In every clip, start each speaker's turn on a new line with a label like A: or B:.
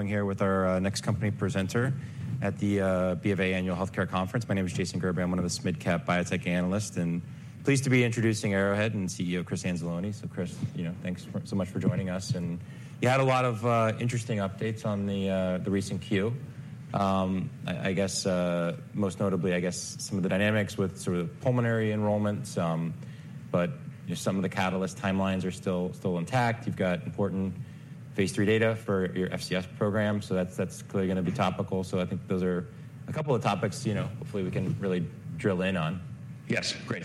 A: Here with our next company presenter at the BofA Annual Healthcare Conference. My name is Jason Gerberry. I'm one of the mid-cap biotech analysts, and pleased to be introducing Arrowhead and CEO, Chris Anzalone. So Chris, you know, thanks so much for joining us, and you had a lot of interesting updates on the recent Q. I guess most notably, I guess, some of the dynamics with sort of pulmonary enrollments, but you know, some of the catalyst timelines are still intact. You've got important phase III data for your FCS program, so that's clearly gonna be topical. So I think those are a couple of topics, you know, hopefully we can really drill in on.
B: Yes, great.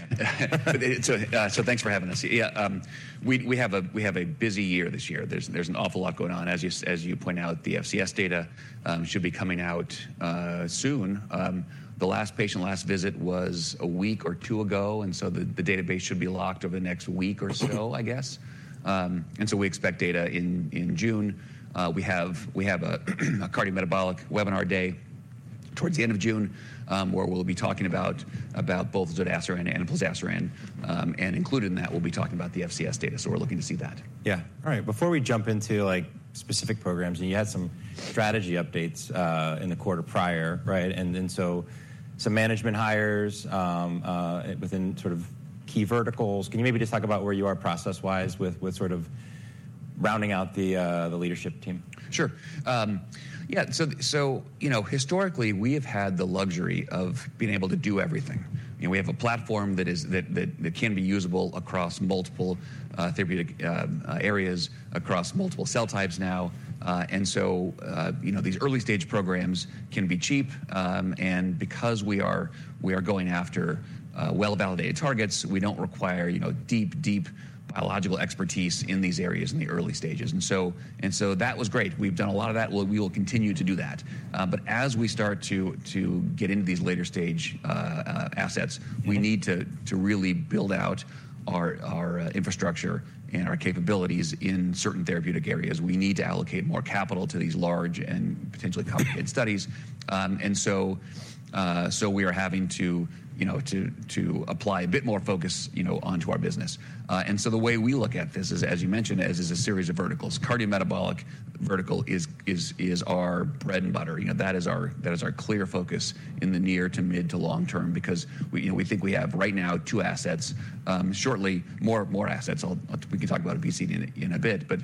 B: So, so thanks for having us. Yeah, we have a busy year this year. There's an awful lot going on. As you point out, the FCS data should be coming out soon. The last patient, last visit was a week or two ago, and so the database should be locked over the next week or so, I guess. And so we expect data in June. We have a cardiometabolic webinar day towards the end of June, where we'll be talking about both Zodasiran and Plozasiran. And included in that, we'll be talking about the FCS data, so we're looking to see that.
A: Yeah. All right, before we jump into, like, specific programs, and you had some strategy updates in the quarter prior, right? And then so some management hires within sort of key verticals. Can you maybe just talk about where you are process-wise with with sort of rounding out the the leadership team?
B: Sure. Yeah, so you know, historically, we have had the luxury of being able to do everything. You know, we have a platform that can be usable across multiple therapeutic areas, across multiple cell types now. And so, you know, these early-stage programs can be cheap, and because we are going after well-validated targets, we don't require, you know, deep biological expertise in these areas in the early stages. And so that was great. We've done a lot of that. We will continue to do that. But as we start to get into these later-stage assets-
A: Mm-hmm.
B: We need to really build out our infrastructure and our capabilities in certain therapeutic areas. We need to allocate more capital to these large and potentially complicated studies. And so we are having to, you know, to apply a bit more focus, you know, onto our business. And so the way we look at this is, as you mentioned, as is a series of verticals. Cardiometabolic vertical is our bread and butter. You know, that is our clear focus in the near to mid to long term, because we, you know, we think we have right now two assets, shortly, more assets. We can talk about obesity in a bit, but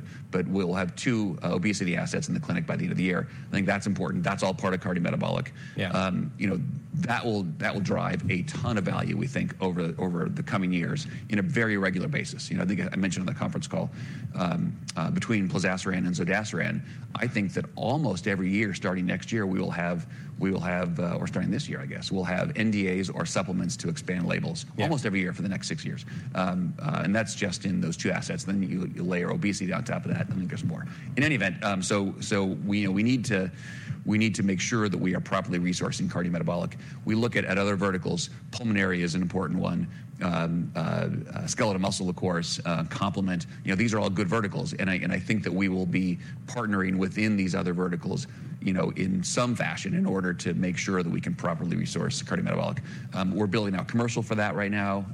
B: we'll have two obesity assets in the clinic by the end of the year. I think that's important. That's all part of cardiometabolic.
A: Yeah.
B: You know, that will, that will drive a ton of value, we think, over, over the coming years in a very regular basis. You know, I think I mentioned on the conference call, between Plozasiran and Zodasiran, I think that almost every year, starting next year, we will have, we will have, or starting this year, I guess, we'll have NDAs or supplements to expand labels-
A: Yeah
B: almost every year for the next six years. And that's just in those two assets. Then you layer obesity on top of that, and I think there's more. In any event, so we know we need to make sure that we are properly resourcing cardiometabolic. We look at other verticals. Pulmonary is an important one. Skeletal muscle, of course, complement. You know, these are all good verticals, and I think that we will be partnering within these other verticals, you know, in some fashion, in order to make sure that we can properly resource cardiometabolic. We're building out commercial for that right now.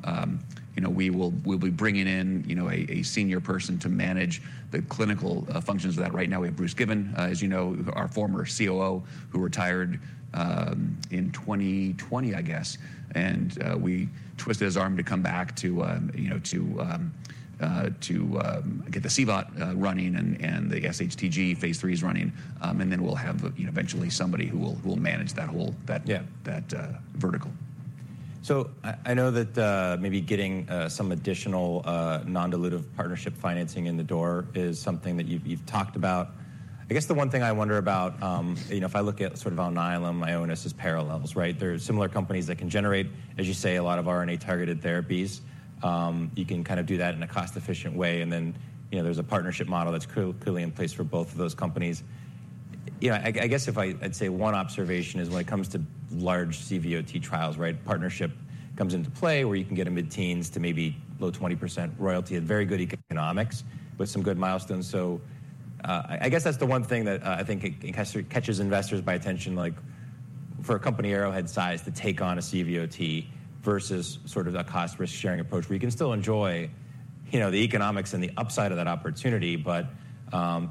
B: You know, we'll be bringing in, you know, a senior person to manage the clinical functions of that. Right now, we have Bruce Given, as you know, our former COO, who retired in 2020, I guess. And we twisted his arm to come back to, you know, to get the CVOT running and the SHTG phase III is running. And then we'll have, you know, eventually somebody who will, who will manage that whole, that-
A: Yeah...
B: that vertical.
A: So I know that maybe getting some additional non-dilutive partnership financing in the door is something that you've talked about. I guess the one thing I wonder about, you know, if I look at sort of Alnylam, Ionis as parallels, right? They're similar companies that can generate, as you say, a lot of RNA-targeted therapies. You can kind of do that in a cost-efficient way, and then, you know, there's a partnership model that's clearly in place for both of those companies. You know, I guess if I... I'd say one observation is when it comes to large CVOT trials, right, partnership comes into play, where you can get a mid-teens to maybe low 20% royalty and very good economics with some good milestones. So, I guess that's the one thing that I think kind of catches investors by attention, like for a company Arrowhead's size to take on a CVOT versus sort of a cost-risk sharing approach, where you can still enjoy, you know, the economics and the upside of that opportunity, but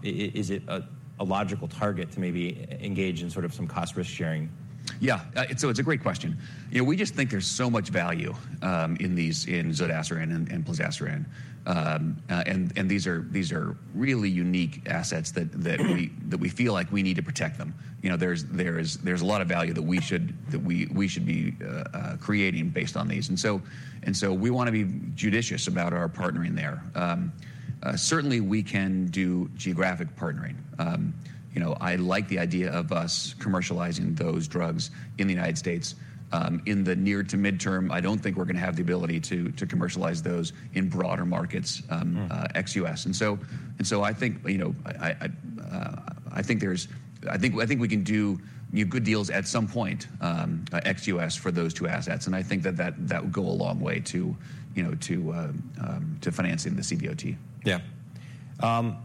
A: is it a logical target to maybe engage in sort of some cost-risk sharing?
B: Yeah, it's a great question. You know, we just think there's so much value in these, in Zodasiran and Plozasiran. And these are really unique assets that we feel like we need to protect them. You know, there's a lot of value that we should be creating based on these. And so we wanna be judicious about our partnering there. Certainly, we can do geographic partnering. You know, I like the idea of us commercializing those drugs in the United States. In the near to mid-term, I don't think we're gonna have the ability to commercialize those in broader markets,
A: Mm...
B: ex-US. And so I think, you know, I think we can do, you know, good deals at some point ex-US for those two assets, and I think that would go a long way to, you know, to financing the CVOT.
A: Yeah.
B: Um-...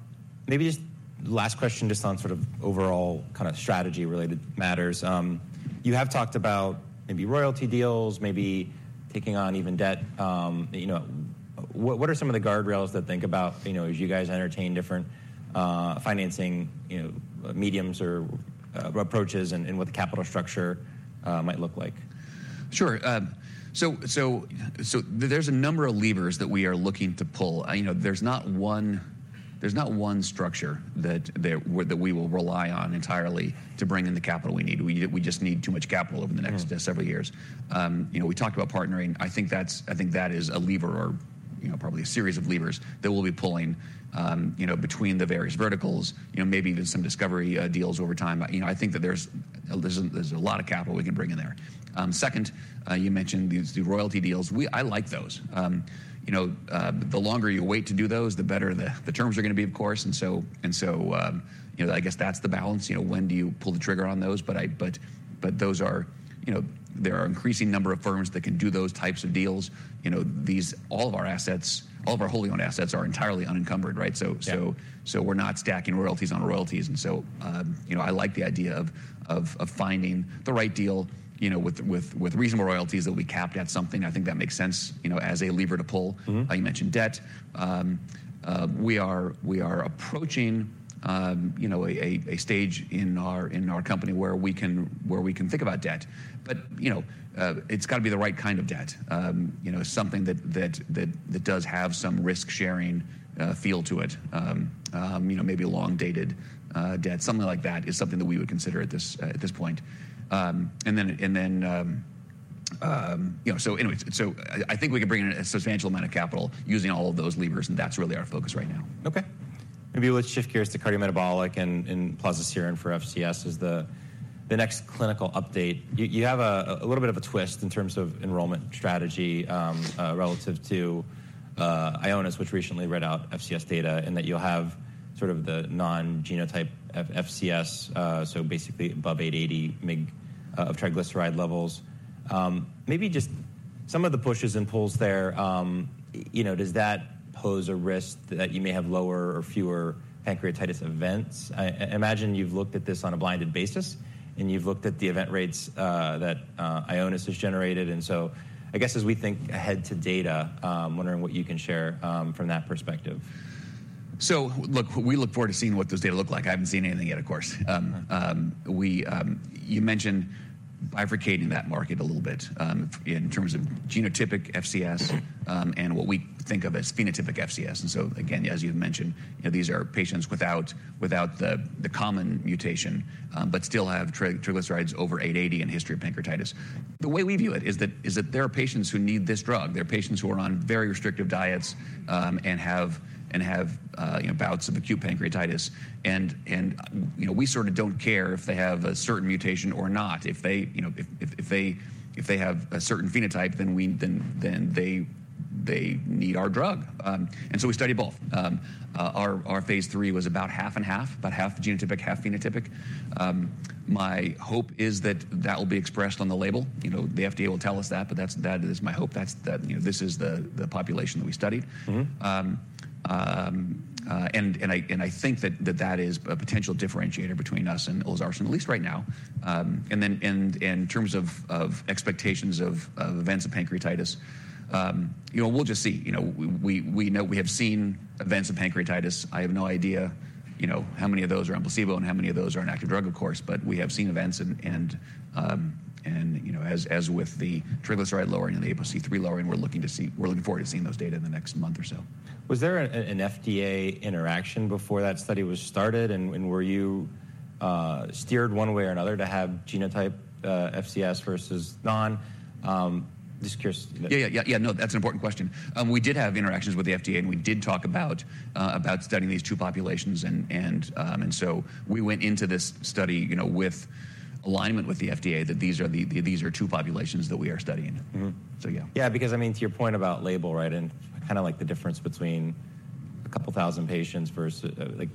A: Maybe just last question, just on sort of overall kind of strategy-related matters. You have talked about maybe royalty deals, maybe taking on even debt. You know, what are some of the guardrails to think about, you know, as you guys entertain different financing mediums or approaches and what the capital structure might look like?
B: Sure. So there's a number of levers that we are looking to pull. You know, there's not one structure that we will rely on entirely to bring in the capital we need. We just need too much capital over the next-
A: Mm
B: Several years. You know, we talked about partnering. I think that's, I think that is a lever or, you know, probably a series of levers that we'll be pulling, you know, between the various verticals, you know, maybe even some discovery deals over time. You know, I think that there's a lot of capital we can bring in there. Second, you mentioned these, the royalty deals. We - I like those. You know, the longer you wait to do those, the better the terms are gonna be, of course, and so, you know, I guess that's the balance. You know, when do you pull the trigger on those? But I... But, but those are - You know, there are an increasing number of firms that can do those types of deals. You know, all of our assets, all of our wholly owned assets are entirely unencumbered, right? So-
A: Yeah...
B: so we're not stacking royalties on royalties. And so, you know, I like the idea of finding the right deal, you know, with reasonable royalties that will be capped at something. I think that makes sense, you know, as a lever to pull.
A: Mm-hmm.
B: You mentioned debt. We are approaching, you know, a stage in our company where we can think about debt. But, you know, it's got to be the right kind of debt. You know, something that does have some risk-sharing feel to it. You know, maybe a long-dated debt, something like that is something that we would consider at this point. And then... You know, so anyways, so I think we can bring in a substantial amount of capital using all of those levers, and that's really our focus right now.
A: Okay. Maybe let's shift gears to cardiometabolic and Plozasiran for FCS as the next clinical update. You have a little bit of a twist in terms of enrollment strategy relative to Ionis, which recently read out FCS data, and that you'll have sort of the non-genotypic FCS, so basically above 880 mg/dL triglyceride levels. Maybe just some of the pushes and pulls there, you know, does that pose a risk that you may have lower or fewer pancreatitis events? I imagine you've looked at this on a blinded basis, and you've looked at the event rates that Ionis has generated. And so I guess as we think ahead to data, wondering what you can share from that perspective.
B: So look, we look forward to seeing what those data look like. I haven't seen anything yet, of course.
A: Mm-hmm.
B: You mentioned bifurcating that market a little bit, in terms of genotypic FCS, and what we think of as phenotypic FCS. And so again, as you've mentioned, you know, these are patients without the common mutation, but still have triglycerides over 80 in history of pancreatitis. The way we view it is that there are patients who need this drug. There are patients who are on very restrictive diets, and have, you know, bouts of acute pancreatitis. And, you know, we sort of don't care if they have a certain mutation or not. If they, you know, if they have a certain phenotype, then we, then they need our drug. And so we study both. Our phase III was about half and half, about half genotypic, half phenotypic. My hope is that that will be expressed on the label. You know, the FDA will tell us that, but that's, you know, this is the population that we studied.
A: Mm-hmm.
B: I think that is a potential differentiator between us and Olezarsen, at least right now. In terms of expectations of events of pancreatitis, you know, we'll just see. You know, we know, we have seen events of pancreatitis. I have no idea, you know, how many of those are on placebo and how many of those are on active drug, of course, but we have seen events and, you know, as with the triglyceride lowering and the ApoC3 lowering, we're looking forward to seeing those data in the next month or so.
A: Was there an FDA interaction before that study was started? And were you steered one way or another to have genotype FCS versus non? Just curious.
B: Yeah. Yeah. Yeah, no, that's an important question. We did have interactions with the FDA, and we did talk about studying these two populations, and so we went into this study, you know, with alignment with the FDA, that these are two populations that we are studying.
A: Mm-hmm.
B: So, yeah.
A: Yeah, because, I mean, to your point about label, right? And kind of like the difference between a couple thousand patients versus, like,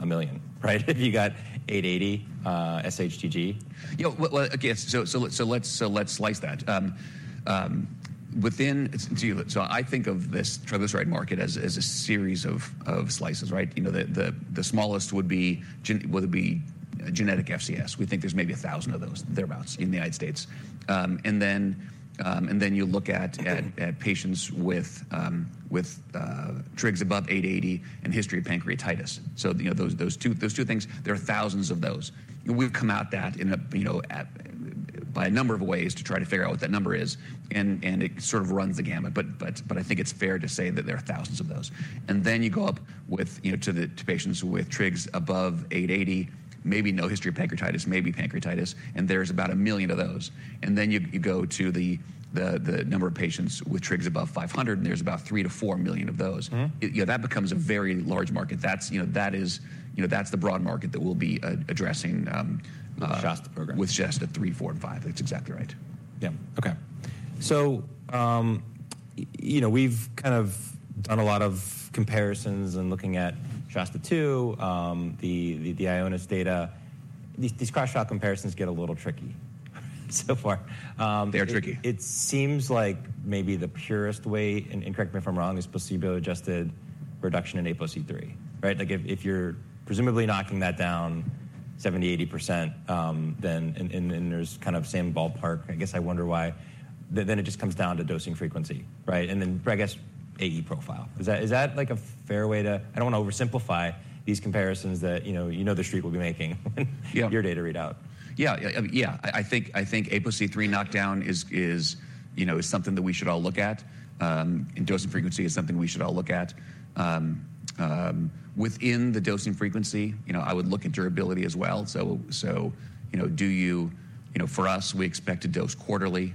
A: a million, right? You got 880 SHTG.
B: You know, well, again, so let's slice that. Within... So I think of this triglyceride market as a series of slices, right? You know, the smallest would be genetic FCS. We think there's maybe 1,000 of those, thereabouts, in the United States. And then you look at-
A: Mm-hmm...
B: at patients with trigs above 880 and history of pancreatitis. So, you know, those two things, there are thousands of those. We've come at that, you know, by a number of ways to try to figure out what that number is, and it sort of runs the gamut. But I think it's fair to say that there are thousands of those. And then you go up with, you know, to the patients with trigs above 880, maybe no history of pancreatitis, maybe pancreatitis, and there's about 1 million of those. And then you go to the number of patients with trigs above 500, and there's about 3-4 million of those.
A: Mm-hmm.
B: Yeah, that becomes a very large market. That's, you know, that is... You know, that's the broad market that we'll be addressing.
A: With SHASTA program.
B: with SHASTA-3, SHASTA-4, and SHASTA-5. That's exactly right.
A: Yeah. Okay. So, you know, we've kind of done a lot of comparisons and looking at SHASTA-2, the Ionis data. These cross-study comparisons get a little tricky... so far,
B: They are tricky.
A: It seems like maybe the purest way, and correct me if I'm wrong, is placebo-adjusted reduction in ApoC3, right? Like, if you're presumably knocking that down 70-80%, then and there's kind of same ballpark, I guess I wonder why. Then it just comes down to dosing frequency, right? And then, I guess, AE profile. Is that, like, a fair way to... I don't want to oversimplify these comparisons that, you know, the street will be making.
B: Yeah.
A: your data readout.
B: Yeah. Yeah, yeah. I think ApoC3 knockdown is, you know, something that we should all look at, and dosing frequency is something we should all look at. Within the dosing frequency, you know, I would look at durability as well. So, you know, do you-- You know, for us, we expect to dose quarterly.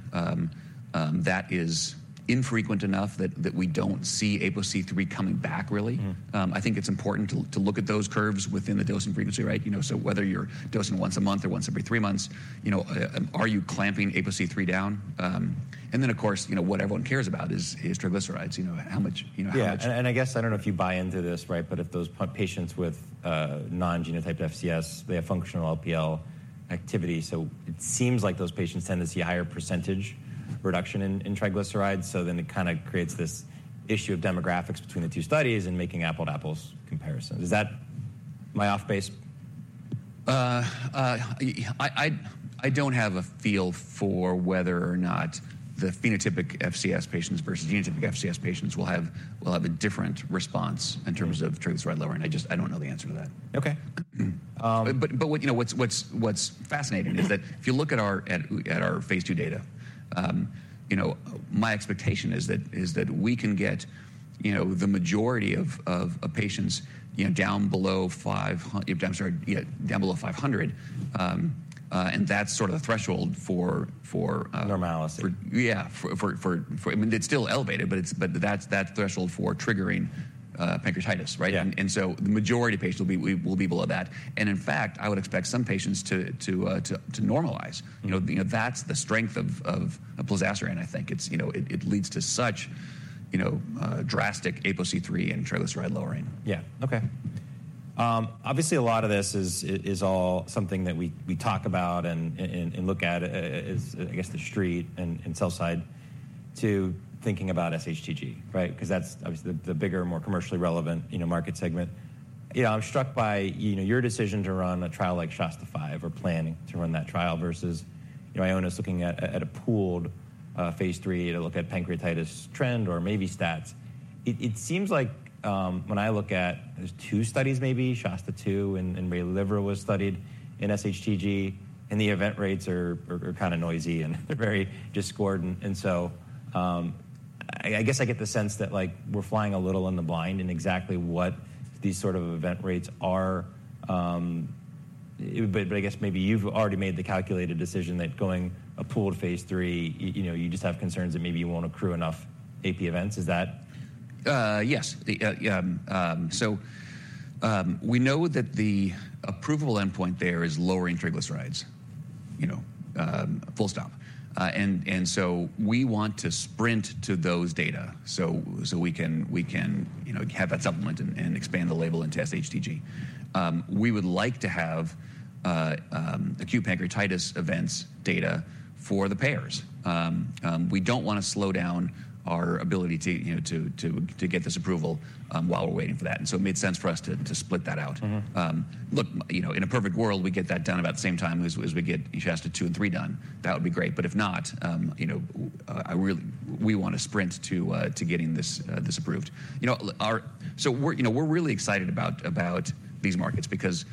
B: That is infrequent enough that we don't see ApoC3 coming back, really.
A: Mm.
B: I think it's important to look at those curves within the dosing frequency, right? You know, so whether you're dosing once a month or once every three months, you know, are you clamping ApoC3 down? And then, of course, you know, what everyone cares about is triglycerides. You know, how much, you know, how much-
A: Yeah. And I guess, I don't know if you buy into this, right? But if those patients with non-genotyped FCS, they have functional LPL activity, so it seems like those patients tend to see a higher percentage reduction in triglycerides. So then it kind of creates this issue of demographics between the two studies and making apple-to-apples comparison. Is that... Am I off base?
B: I don't have a feel for whether or not the phenotypic FCS patients versus genotypic FCS patients will have a different response in terms of triglyceride lowering. I just don't know the answer to that.
A: Okay. Um-
B: But, you know, what's fascinating is that if you look at our phase II data, you know, my expectation is that we can get, you know, the majority of patients, you know, down below 500—I'm sorry, yeah, down below 500, and that's sort of the threshold for.
A: Normalization.
B: Yeah, I mean, it's still elevated, but that's that threshold for triggering pancreatitis, right?
A: Yeah.
B: And so the majority of patients will be below that. And in fact, I would expect some patients to normalize.
A: Mm.
B: You know, that's the strength of, of Evolocuzumab, I think. It's, you know, it, it leads to such, you know, drastic ApoC3 and triglyceride lowering.
A: Yeah. Okay. Obviously, a lot of this is all something that we talk about and look at, as I guess the street and sell-side thinking about SHTG, right? Because that's obviously the bigger, more commercially relevant, you know, market segment. You know, I'm struck by your decision to run a trial like SHASTA-5 or planning to run that trial versus, you know, Ionis's looking at a pooled phase III to look at pancreatitis trend or maybe stats. It seems like when I look at... There's two studies, maybe SHASTA-2 and Waylivra was studied in SHTG, and the event rates are kind of noisy, and they're very discordant. So, I guess I get the sense that, like, we're flying a little blind in exactly what these sort of event rates are, but I guess maybe you've already made the calculated decision that going a pooled phase III, you know, you just have concerns that maybe you won't accrue enough AP events. Is that?
B: Yes. So, we know that the approvable endpoint there is lowering triglycerides, you know, full stop. And so we want to sprint to those data so we can, you know, have that supplement and expand the label into SHTG. We would like to have acute pancreatitis events data for the payers. We don't want to slow down our ability to, you know, to get this approval while we're waiting for that, and so it made sense for us to split that out.
A: Mm-hmm.
B: Look, you know, in a perfect world, we get that done about the same time as we get SHASTA Two and Three done. That would be great. But if not, you know, I really—we want to sprint to getting this approved. You know, our... So we're, you know, we're really excited about these markets because,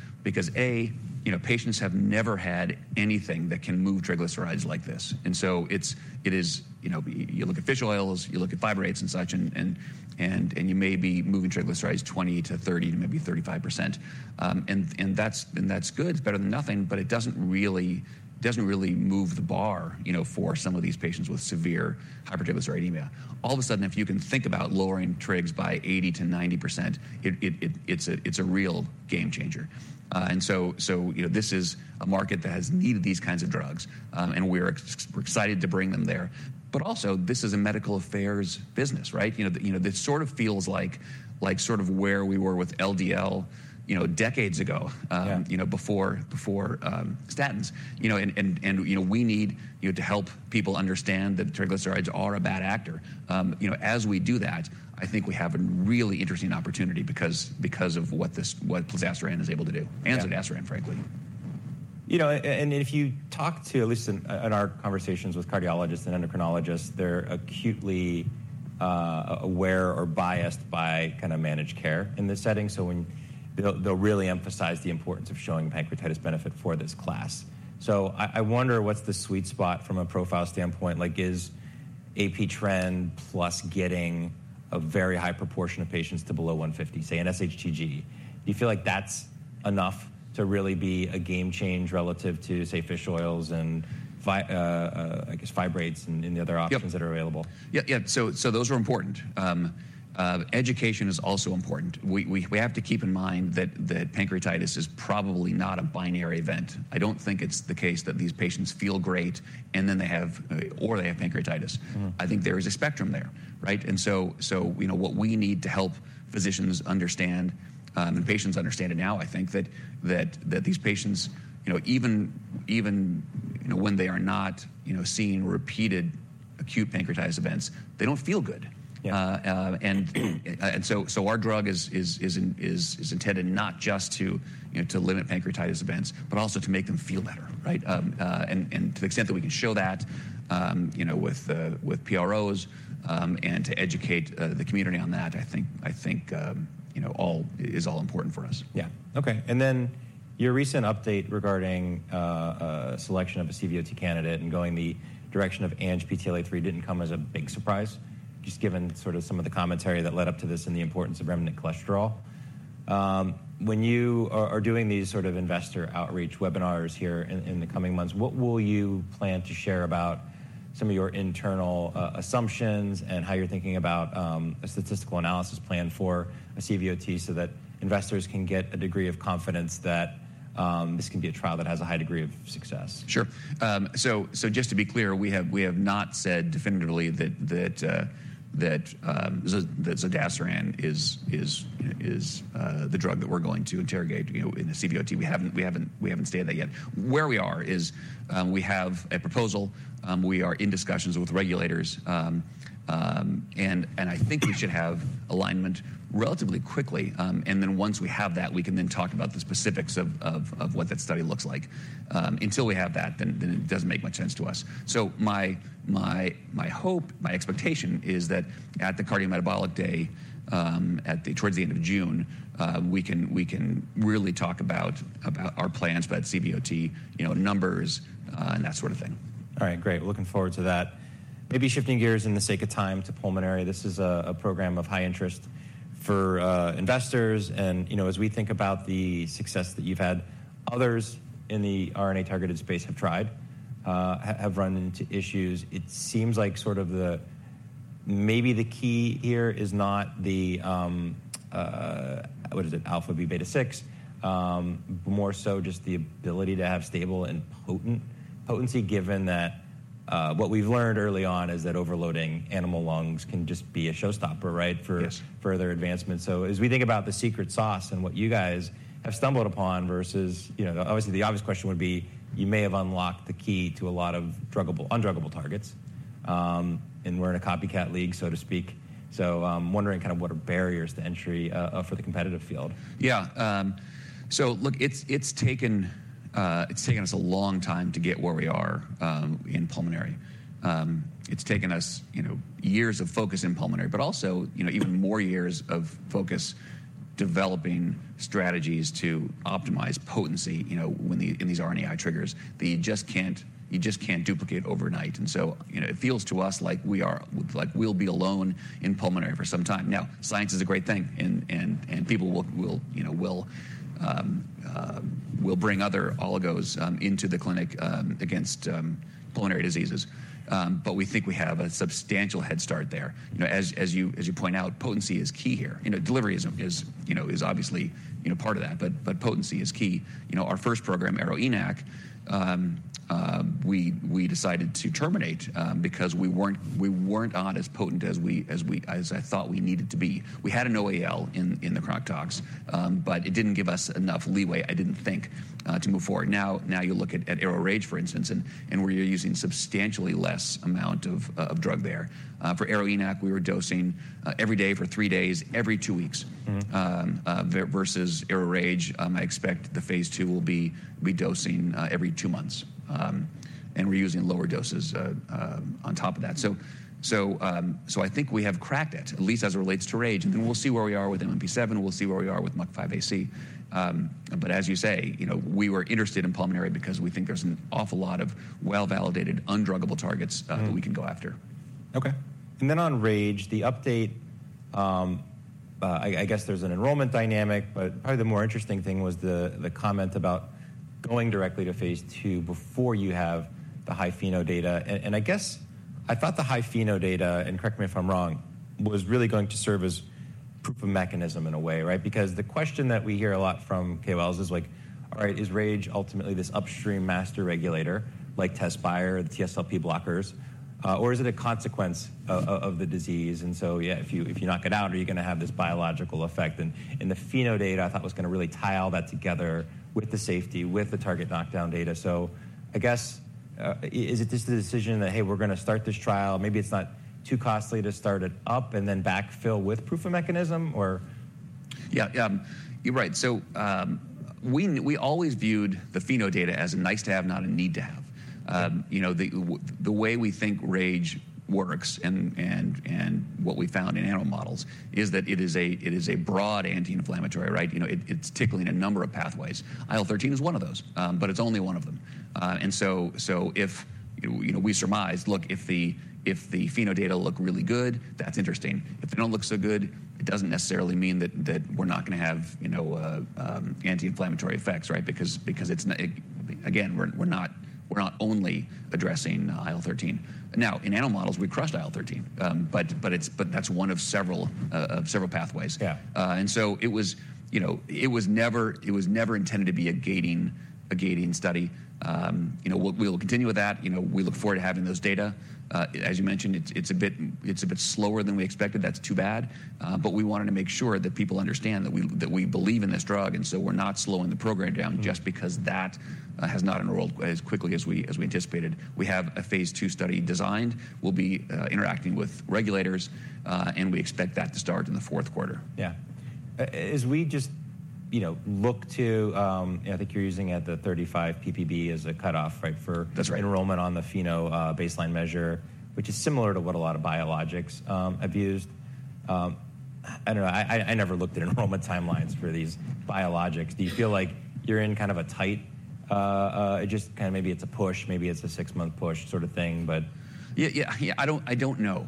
B: A, you know, patients have never had anything that can move triglycerides like this. And so it is... You know, you look at fish oils, you look at fibrates and such, and you may be moving triglycerides 20%-30%, maybe 35%. And that's good, it's better than nothing, but it doesn't really move the bar, you know, for some of these patients with severe hypertriglyceridemia. All of a sudden, if you can think about lowering trigs by 80%-90%, it's a real game changer. So, you know, this is a market that has needed these kinds of drugs, and we're excited to bring them there. But also, this is a medical affairs business, right? You know, you know, this sort of feels like, like sort of where we were with LDL, you know, decades ago-
A: Yeah...
B: you know, before statins. You know, we need, you know, to help people understand that triglycerides are a bad actor. You know, as we do that, I think we have a really interesting opportunity because of what Evolocuzumab is able to do-
A: Yeah
B: and Zodasiran, frankly.
A: You know, and if you talk to, at least in our conversations with cardiologists and endocrinologists, they're acutely aware or biased by kind of managed care in this setting. So when they'll really emphasize the importance of showing pancreatitis benefit for this class. So I wonder, what's the sweet spot from a profile standpoint? Like, is AP trend plus getting a very high proportion of patients to below 150, say, in SHTG, do you feel like that's enough to really be a game change relative to, say, fish oils and, I guess, fibrates and the other options-
B: Yep...
A: that are available?
B: Yeah, yeah. So those are important. Education is also important. We have to keep in mind that pancreatitis is probably not a binary event. I don't think it's the case that these patients feel great, and then they have, or they have pancreatitis.
A: Mm-hmm.
B: I think there is a spectrum there, right? And so, you know, what we need to help physicians understand and patients understand it now, I think that these patients, you know, even, you know, when they are not, you know, seeing repeated acute pancreatitis events, they don't feel good.
A: Yeah.
B: So our drug is intended not just to, you know, to limit pancreatitis events, but also to make them feel better, right? And to the extent that we can show that, you know, with PROs, and to educate the community on that, I think, you know, all is all important for us.
A: Yeah. Okay, and then your recent update regarding selection of a CVOT candidate and going the direction of ANGPTL3 didn't come as a big surprise, just given sort of some of the commentary that led up to this and the importance of remnant cholesterol. When you are doing these sort of investor outreach webinars here in the coming months, what will you plan to share about some of your internal assumptions, and how you're thinking about a statistical analysis plan for a CVOT so that investors can get a degree of confidence that this can be a trial that has a high degree of success?
B: Sure. So just to be clear, we have not said definitively that Zodasiran is the drug that we're going to interrogate, you know, in the CVOT. We haven't stated that yet. Where we are is we have a proposal, we are in discussions with regulators. And I think we should have alignment relatively quickly, and then once we have that, we can then talk about the specifics of what that study looks like. Until we have that, it doesn't make much sense to us. So my hope, my expectation is that at the cardiometabolic day, at the... Towards the end of June, we can really talk about our plans about CVOT, you know, numbers, and that sort of thing.
A: All right, great. Looking forward to that. Maybe shifting gears in the sake of time to pulmonary. This is a program of high interest for investors and, you know, as we think about the success that you've had, others in the RNA-targeted space have tried have run into issues. It seems like sort of the maybe the key here is not the what is it? alpha-v beta-6, but more so just the ability to have stable and potent potency, given that what we've learned early on is that overloading animal lungs can just be a showstopper, right?
B: Yes...
A: for further advancement. So as we think about the secret sauce and what you guys have stumbled upon versus, you know, obviously, the obvious question would be, you may have unlocked the key to a lot of druggable, undruggable targets, and we're in a copycat league, so to speak. So, I'm wondering kind of what are barriers to entry for the competitive field?
B: Yeah, so look, it's taken us a long time to get where we are in pulmonary. It's taken us, you know, years of focus in pulmonary, but also, you know, even more years of focus, developing strategies to optimize potency, you know, in these RNAi triggers, that you just can't, you just can't duplicate overnight. And so, you know, it feels to us like we are, like we'll be alone in pulmonary for some time. Now, science is a great thing and people will, you know, will bring other oligos into the clinic against pulmonary diseases. But we think we have a substantial head start there. You know, as you point out, potency is key here. You know, delivery is obviously, you know, part of that, but potency is key. You know, our first program, ARO-ENaC, we decided to terminate because we weren't as potent as I thought we needed to be. We had a NOAEL in the chronic tox, but it didn't give us enough leeway, I didn't think, to move forward. Now you look at ARO-RAGE, for instance, and we're using substantially less amount of drug there. For ARO-ENaC, we were dosing every day for three days, every two weeks.
A: Mm-hmm.
B: versus ARO-RAGE, I expect the phase II will be dosing every two months. And we're using lower doses on top of that. So I think we have cracked it, at least as it relates to RAGE, and then we'll see where we are with MMP7, and we'll see where we are with MUC5AC. But as you say, you know, we were interested in pulmonary because we think there's an awful lot of well-validated, undruggable targets-
A: Mm-hmm...
B: that we can go after.
A: Okay. And then on RAGE, the update, I guess there's an enrollment dynamic, but probably the more interesting thing was the comment about going directly to phase II before you have the high FeNO data. And I guess I thought the high FeNO data, and correct me if I'm wrong, was really going to serve as proof of mechanism in a way, right? Because the question that we hear a lot from KLs is like, all right, is RAGE ultimately this upstream master regulator, like Tezspire or the TSLP blockers, or is it a consequence of the disease? And so, yeah, if you knock it out, are you gonna have this biological effect? And the FeNO data, I thought, was gonna really tie all that together with the safety, with the target knockdown data. So I guess, is it just a decision that, hey, we're gonna start this trial? Maybe it's not too costly to start it up and then backfill with proof of mechanism or?
B: Yeah, you're right. So, we always viewed the FeNO data as a nice to have, not a need to have. You know, the way we think RAGE works and what we found in animal models is that it is a broad anti-inflammatory, right? You know, it's tickling a number of pathways. IL-13 is one of those, but it's only one of them. And so, if, you know, we surmise, if the FeNO data look really good, that's interesting. If they don't look so good, it doesn't necessarily mean that we're not gonna have, you know, anti-inflammatory effects, right? Because, again, we're not only addressing IL-13. Now, in animal models, we crushed IL-13. But that's one of several pathways.
A: Yeah.
B: And so it was, you know, it was never intended to be a gating study. You know, we'll continue with that. You know, we look forward to having those data. As you mentioned, it's a bit slower than we expected. That's too bad, but we wanted to make sure that people understand that we believe in this drug, and so we're not slowing the program down-
A: Mm-hmm...
B: just because that has not enrolled quite as quickly as we, as we anticipated. We have a phase II study designed. We'll be interacting with regulators, and we expect that to start in the fourth quarter.
A: Yeah. As we just—you know—look to, I think you're using at the 35 ppb as a cutoff, right, for-
B: That's right.
A: Enrollment on the FeNO baseline measure, which is similar to what a lot of biologics have used. I don't know, I never looked at enrollment timelines for these biologics. Do you feel like you're in kind of a tight just kind of maybe it's a push, maybe it's a six-month push sort of thing, but?
B: Yeah, yeah, yeah. I don't know.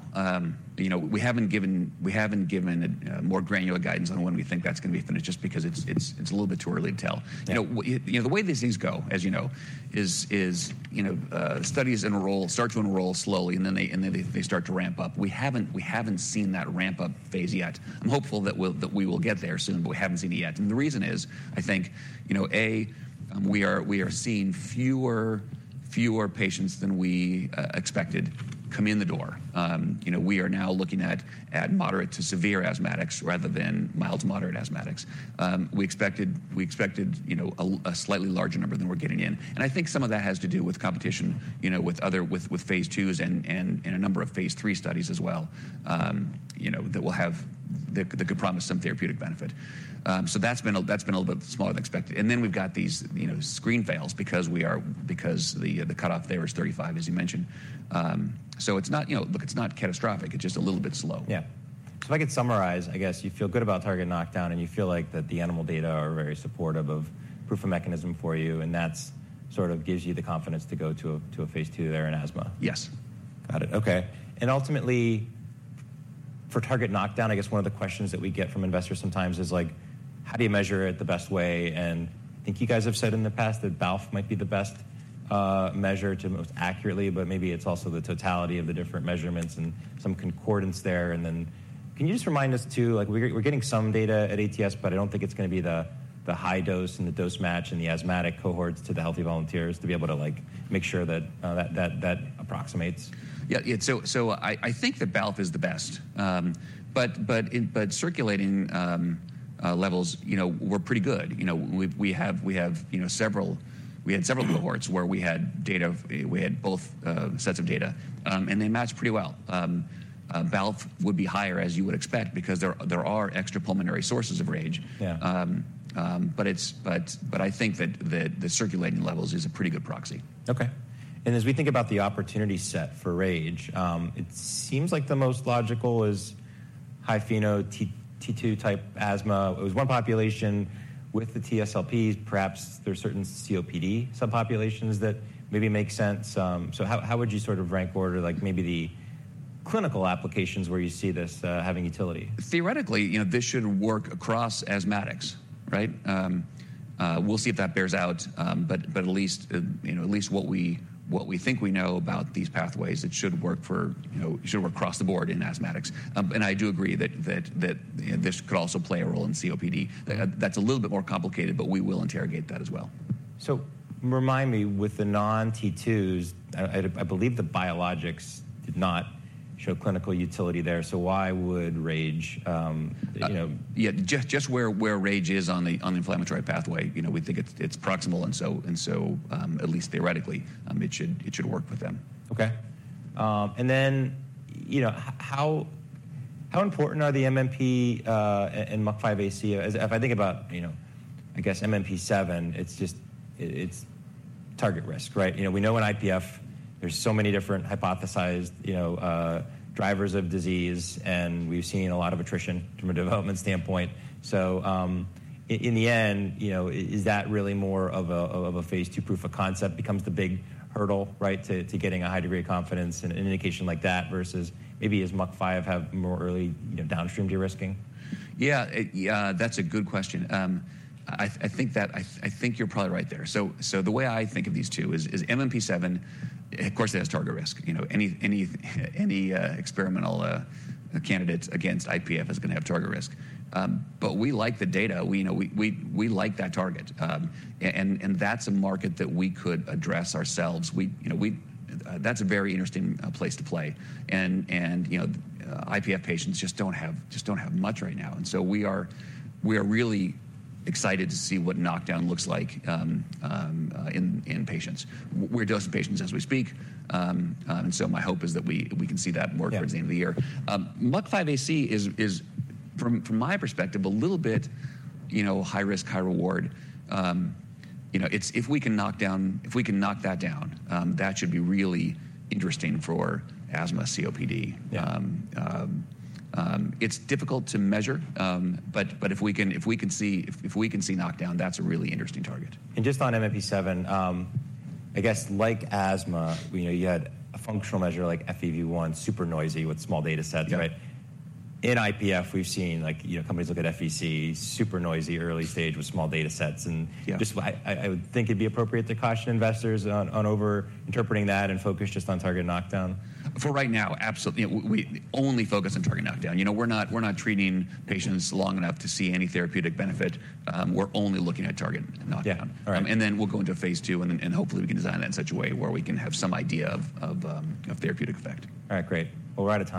B: You know, we haven't given a more granular guidance on when we think that's going to be finished, just because it's a little bit too early to tell.
A: Yeah.
B: You know, you know, the way these things go, as you know, is, is, you know, studies enroll, start to enroll slowly, and then they, and then they, they start to ramp up. We haven't, we haven't seen that ramp-up phase yet. I'm hopeful that we'll, that we will get there soon, but we haven't seen it yet. And the reason is, I think, you know, A, we are, we are seeing fewer, fewer patients than we expected come in the door. You know, we are now looking at, at moderate to severe asthmatics rather than mild to moderate asthmatics. We expected, we expected, you know, a slightly larger number than we're getting in. And I think some of that has to do with competition, you know, with other... with phase IIs and a number of phase III studies as well, you know, that will have the good promise of some therapeutic benefit. So that's been a little bit smaller than expected. And then we've got these, you know, screen fails because we are - because the cutoff there is 35, as you mentioned. So it's not, you know, look, it's not catastrophic, it's just a little bit slow.
A: Yeah. So if I could summarize, I guess you feel good about target knockdown, and you feel like that the animal data are very supportive of proof of mechanism for you, and that's sort of gives you the confidence to go to a, to a phase II there in asthma?
B: Yes.
A: Got it. Okay. Ultimately, for target knockdown, I guess one of the questions that we get from investors sometimes is, like, how do you measure it the best way? And I think you guys have said in the past that BALF might be the best measure to most accurately, but maybe it's also the totality of the different measurements and some concordance there. And then can you just remind us too, like, we're getting some data at ATS, but I don't think it's gonna be the high dose and the dose match and the asthmatic cohorts to the healthy volunteers to be able to, like, make sure that that approximates.
B: Yeah, yeah. So I think the BALF is the best. But in circulating levels, you know, were pretty good. You know, we had several cohorts where we had data, we had both sets of data, and they matched pretty well. BALF would be higher, as you would expect, because there are extrapulmonary sources of RAGE.
A: Yeah.
B: But I think that the circulating levels is a pretty good proxy.
A: Okay. As we think about the opportunity set for RAGE, it seems like the most logical is high FeNO T2-type asthma. It was one population with the TSLPs. Perhaps there are certain COPD subpopulations that maybe make sense. So how would you sort of rank order, like maybe the clinical applications where you see this having utility?
B: Theoretically, you know, this should work across asthmatics, right? We'll see if that bears out. But at least, you know, at least what we think we know about these pathways, it should work for, you know, it should work across the board in asthmatics. And I do agree that, you know, this could also play a role in COPD. That's a little bit more complicated, but we will interrogate that as well.
A: So remind me, with the non-T2s, I believe the biologics did not show clinical utility there, so why would RAGE, you know-
B: Yeah, just where RAGE is on the inflammatory pathway, you know, we think it's proximal, and so at least theoretically, it should work with them.
A: Okay. And then, you know, how important are the MMP and MUC5AC? As if I think about, you know, I guess MMP7, it's just target risk, right? You know, we know in IPF, there's so many different hypothesized, you know, drivers of disease, and we've seen a lot of attrition from a development standpoint. So, in the end, you know, is that really more of a phase II proof of concept becomes the big hurdle, right, to getting a high degree of confidence in an indication like that, versus maybe as MUC5AC have more early, you know, downstream de-risking?
B: Yeah, yeah, that's a good question. I think that I think you're probably right there. So, the way I think of these two is MMP7, of course, it has target risk. You know, any experimental candidate against IPF is gonna have target risk. But we like the data. We, you know, we like that target. And that's a market that we could address ourselves. We, you know, that's a very interesting place to play. And, you know, IPF patients just don't have much right now, and so we are really excited to see what knockdown looks like in patients. We're dosing patients as we speak. And so my hope is that we can see that more-
A: Yeah...
B: towards the end of the year. MUC5AC is from my perspective a little bit, you know, high risk, high reward. You know, it's if we can knock that down, that should be really interesting for asthma COPD.
A: Yeah.
B: It's difficult to measure, but if we can see knockdown, that's a really interesting target.
A: Just on MMP7, I guess like asthma, you know, you had a functional measure like FEV1, super noisy with small data sets.
B: Yeah.
A: Right? In IPF, we've seen like, you know, companies look at FVC, super noisy early stage with small data sets, and-
B: Yeah...
A: just I would think it'd be appropriate to caution investors on overinterpreting that and focus just on target knockdown.
B: For right now, absolutely. We, we only focus on target knockdown. You know, we're not, we're not treating patients long enough to see any therapeutic benefit. We're only looking at target knockdown.
A: Yeah, all right.
B: And then we'll go into phase II, and hopefully we can design that in such a way where we can have some idea of therapeutic effect.
A: All right, great. We're out of time.